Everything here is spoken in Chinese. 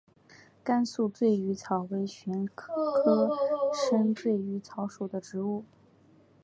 甘肃醉鱼草为玄参科醉鱼草属的植物。